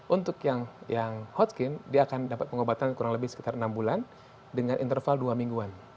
untuk yang hotkin dia akan dapat pengobatan kurang lebih sekitar enam bulan dengan interval dua mingguan